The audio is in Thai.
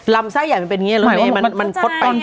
ลำไซ่ใหญ่มันเป็นอย่างเงี้ย